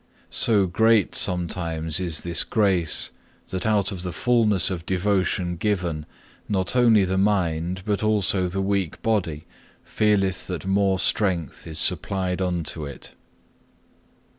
So great sometimes is this grace that out of the fulness of devotion given, not only the mind but also the weak body feeleth that more strength is supplied unto it.